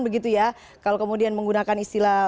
begitu ya kalau kemudian menggunakan istilah